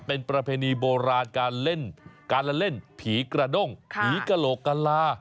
เป็นประเพณีโบราณการเล่นการละเล่นผีกระด้งผีกระโหลกกะลา